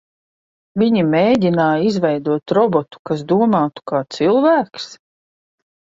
Viņi mēģināja izveidot robotu, kas domātu kā cilvēks?